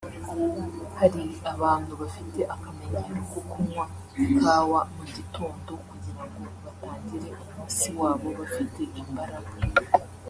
Hari abantu bafite akamenyero ko kunywa ikawa mu gitondo kugirango batangire umunsi wabo bafite imbaraga